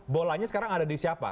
bolanya sekarang ada di siapa